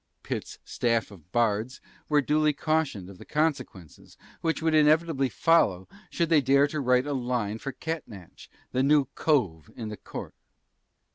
Pitts' staff of "bards" were duly cautioned of the consequences which would inevitably follow should they dare to write a line for Catnach the new cove in the court.